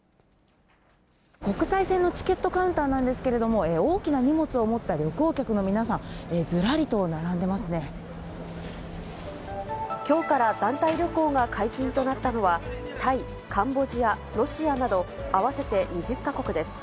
国際線のチケットカウンターなんですけれども、大きな荷物を持った旅行客の皆さん、ずらりときょうから団体旅行が解禁となったのは、タイ、カンボジア、ロシアなど合わせて２０か国です。